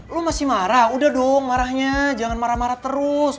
lo masih marah udah dong marahnya jangan marah marah terus